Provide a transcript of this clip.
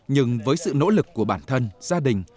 nhưng với sự nỗ lực của bản thân gia đình